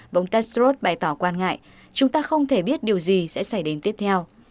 vòng tedros bày tỏ quan ngại chúng ta không thể biết điều gì sẽ xảy đến tiếp theo